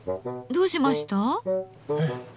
どうしました？え？